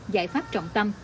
giải pháp trọng tâm